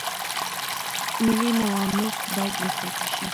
ملي نواميس بايد وساتل شي.